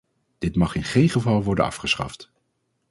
Dit mag in geen geval worden afgeschaft.